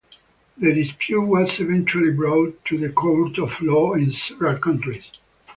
The dispute was eventually brought to the courts of law in several countries.